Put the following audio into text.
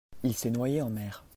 il s'est noyé en mer.